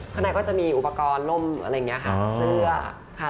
ข้างในก็จะมีอุปกรณ์ล่มอะไรอย่างนี้ค่ะเสื้อค่ะ